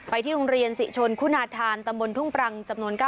ไปที่โรงเรียนศรีชนคุณาธานตำบลทุ่งปรัง